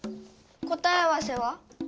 答え合わせは？